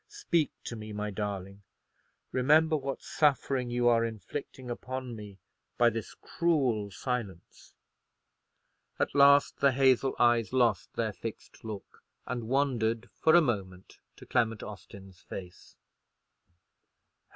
Speak to me, my darling. Remember what suffering you are inflicting upon me by this cruel silence." At last the hazel eyes lost their fixed look, and wandered for a moment to Clement Austin's face.